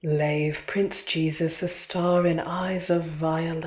Lave, Prince Jesus, a Star in eyes of Viola!